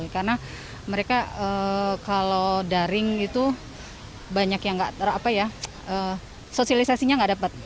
karena mereka kalau daring itu banyak yang gak apa ya sosialisasinya gak dapat